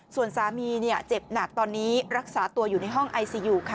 ส่วนสามีเจ็บหนักตอนนี้รักษาตัวอยู่ในห้องไอซียูค่ะ